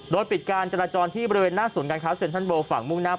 โดยปิดการจราจรที่บริเวณหน้าศูนย์การค้าเซ็นทรัลโบฝั่งมุ่งหน้า